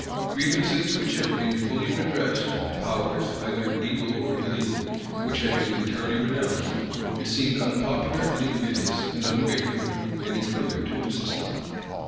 Grievances which had been fully redressed; powers, either legal or illegal, which had been entirely renounced; it seemed unpopular, and invidious, and ungrateful, any further to insist on.